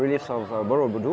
ide ide ini sebenarnya adalah